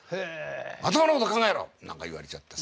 まともなこと考えろ！」なんか言われちゃってさ。